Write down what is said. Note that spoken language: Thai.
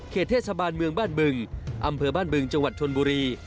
เทศบาลเมืองบ้านบึงอำเภอบ้านบึงจังหวัดชนบุรี